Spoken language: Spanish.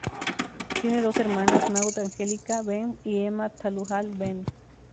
Tiene dos hermanas, Maud Angelica Behn y Emma Tallulah Behn.